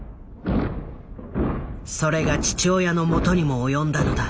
それが父親のもとにも及んだのだ。